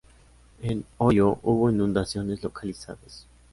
En Ohio hubo inundaciones localizadas.